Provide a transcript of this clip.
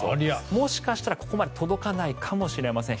もしかしたらここまで届かないかもしれません。